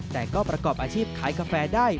แต่ก็ประกอบอาชีพขายกาแฟได้